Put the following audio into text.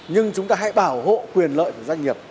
nhưng chúng ta hãy bảo hộ quyền lợi của doanh nghiệp